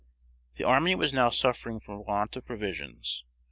The army was now suffering for want of provisions.